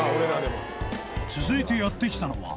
続いてやって来たのは